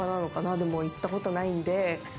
でも行ったことないんで。